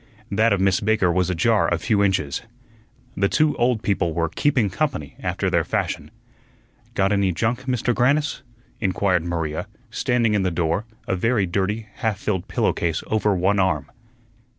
That of Miss Baker was ajar a few inches. The two old people were "keeping company" after their fashion. "Got any junk, Mister Grannis?" inquired Maria, standing in the door, a very dirty, half filled pillowcase over one arm.